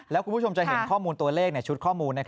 แล้วคุณผู้ชมจะเห็นข้อมูลตัวเลขในชุดข้อมูล